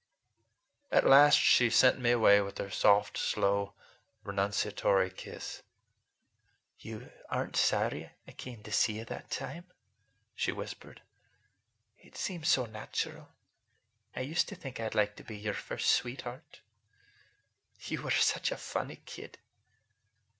At last she sent me away with her soft, slow, renunciatory kiss. "You are n't sorry I came to see you that time?" she whispered. "It seemed so natural. I used to think I'd like to be your first sweetheart. You were such a funny kid!"